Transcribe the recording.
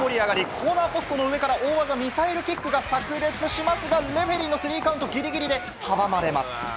コーナーポストの上から大技・ミサイルキックを繰り出しますが、レフリーのスリーカウントはぎりぎりで阻まれます。